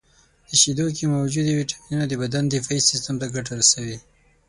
• د شیدو کې موجودې ویټامینونه د بدن دفاعي سیستم ته ګټه رسوي.